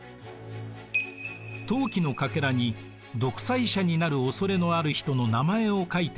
陶器のかけらに独裁者になるおそれのある人の名前を書いて投票。